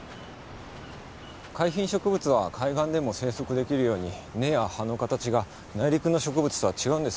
海浜植物は海岸でも生息できるように根や葉の形が内陸の植物とは違うんです。